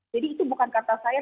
jadi itu bukan kata saya